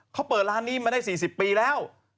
เขาเปิดร้านนี้มาได้๔๐ปีแล้ว